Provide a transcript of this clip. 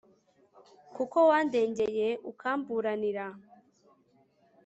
kuko wandengeye, ukamburanira